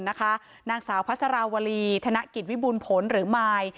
นางสาวพัสราวรีธนกิจวิบูรณ์ผลหรือมาย